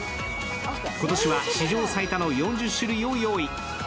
今年は史上最多の４０種類を用意。